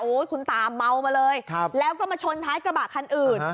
คุณตาเมามาเลยแล้วก็มาชนท้ายกระบะคันอื่น